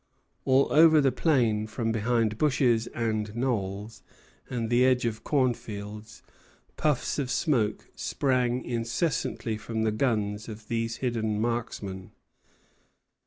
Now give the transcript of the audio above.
Over all the plain, from behind bushes and knolls and the edge of cornfields, puffs of smoke sprang incessantly from the guns of these hidden marksmen.